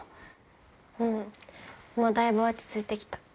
うんもうだいぶ落ち着いて来た。